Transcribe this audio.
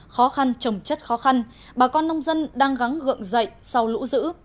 khó khăn trồng chất khó khăn bà con nông dân đang gắng gượng dậy sau lũ giữ